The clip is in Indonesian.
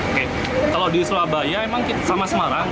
oke kalau di surabaya memang sama semarang